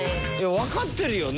わかってるよね？